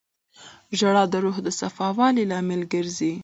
• ژړا د روح د صفا والي لامل ګرځي.